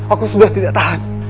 aku sudah tidak tahan